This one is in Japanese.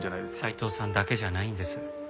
斉藤さんだけじゃないんです。